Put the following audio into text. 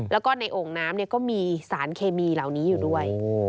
แล้วก็ในโอ่งน้ำก็มีสารเคมีเหล่านี้อยู่ด้วย